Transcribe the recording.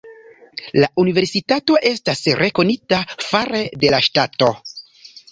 La universitato estas rekonita fare de la ŝtato.